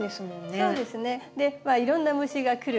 そうですね。でいろんな虫が来る。